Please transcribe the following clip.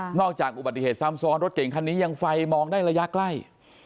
ค่ะนอกจากอุบัติเหตุซัมซอร์รถเก่งคันนี้ยังไฟมองได้ระยะใกล้